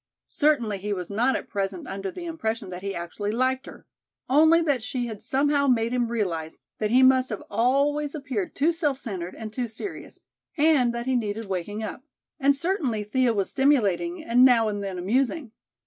Certainly he was not at present under the impression that he actually liked her, only that she had somehow made him realize that he must have always appeared too self centered and too serious, and that he needed waking up. And certainly Thea was stimulating and now and then amusing.